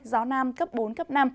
gió nam cấp bốn cấp năm